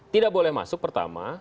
tidak boleh masuk pertama